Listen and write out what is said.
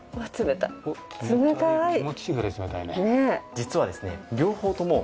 実はですね。